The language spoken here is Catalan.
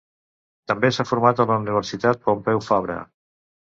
També s'ha format a la Universitat Pompeu Fabra.